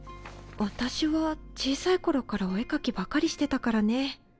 私は小さい頃からお絵描きばっかりしてたからね。